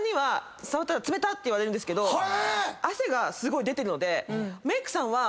て言われるんですけど汗がすごい出てるので。